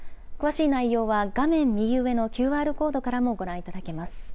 詳しい内容は画面右上のＱＲコードからもご覧いただけます。